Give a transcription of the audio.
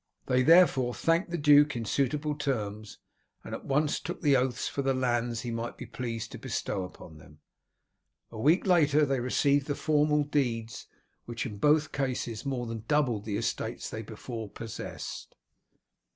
They, therefore, thanked the duke in suitable terms, and at once took the oaths for the lands he might be pleased to bestow on them. A week later they received the formal deeds, which in both cases more than doubled the estates they before possessed.